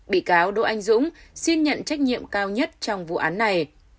bị cáo đỗ anh dũng xin nhận trách nhiệm cao nhất trong vụ án này